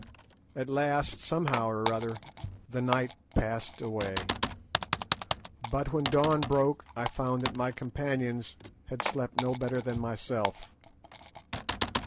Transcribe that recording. At last, somehow or other, the night passed away; but when dawn broke I found that my companions had slept no better than myself.